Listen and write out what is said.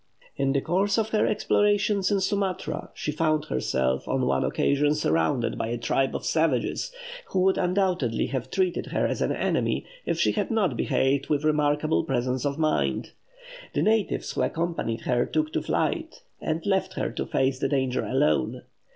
In the course of her explorations in Sumatra, she found herself, on one occasion, surrounded by a tribe of savages, who would undoubtedly have treated her as an enemy, if she had not behaved with remarkable presence of mind. The natives who accompanied her took to flight, and left her to face the danger alone.